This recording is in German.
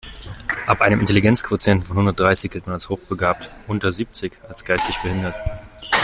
Ab einem Intelligenzquotienten von hundertdreißig gilt man als hochbegabt, unter siebzig als geistig behindert.